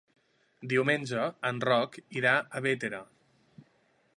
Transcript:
Diumenge en Roc irà a Bétera.